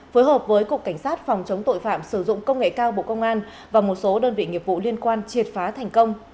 phối hợp với cục cảnh sát phòng chống tội phạm sử dụng công nghệ cao bộ công an và một số đơn vị nghiệp vụ liên quan triệt phá thành công